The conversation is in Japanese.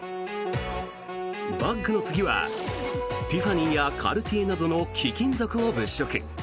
バッグの次はティファニーやカルティエなどの貴金属を物色。